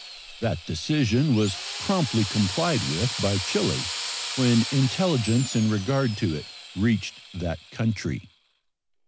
That decision was promptly complied with by Chile when intelligence in regard to it reached that country.